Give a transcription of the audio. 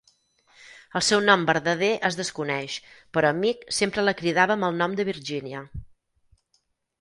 El seu nom verdader es desconeix, però Meek sempre la cridava amb el nom de "Virginia".